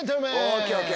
ＯＫＯＫ！